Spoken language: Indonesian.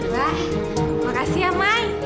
wah makasih ya mai